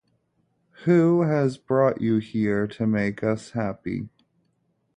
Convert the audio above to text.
Who has brought you here to make us happy?